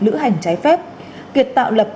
lữ hành trái phép kiệt tạo lập